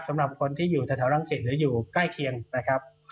สำหรับคนที่อยู่แถวรังสิตหรืออยู่ใกล้เคียงนะครับ